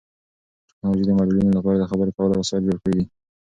ټیکنالوژي د معلولینو لپاره د خبرو کولو وسایل جوړ کړي دي.